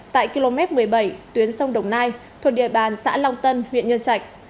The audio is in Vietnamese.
tại km một mươi bảy tuyến sông đồng nai thuộc địa bàn xã long tân huyện nhân trạch